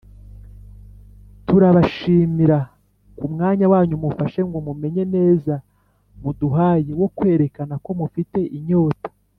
Turabashimira ku mwanya wanyu mufashe ngo mumenye neza muduhaye wo kwerekana ko mufite inyota